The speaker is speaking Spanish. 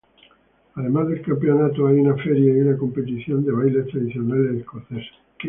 Además del campeonato hay una feria y una competición de bailes tradicionales escoceses.